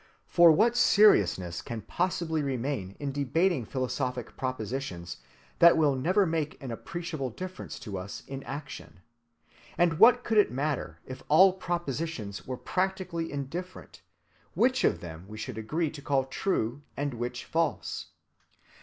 For what seriousness can possibly remain in debating philosophic propositions that will never make an appreciable difference to us in action? And what could it matter, if all propositions were practically indifferent, which of them we should agree to call true or which false?